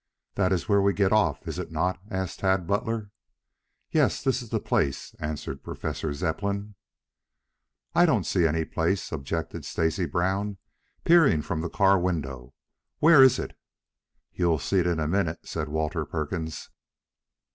"That is where we get off, is it not!" asked Tad Butler. "Yes, this is the place," answered Professor Zepplin. "I don't see any place," objected Stacy Brown, peering from the car window. "Where is it?" "You'll see it in a minute," said Walter Perkins.